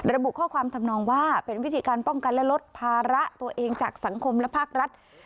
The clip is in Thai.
ระบุข้อความทำนองว่าเป็นวิธีการป้องกันและลดภาระตัวเองจากสังคมและภาครัฐ